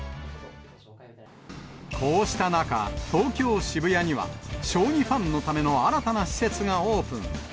こうした中、東京・渋谷には将棋ファンのための新たな施設がオープン。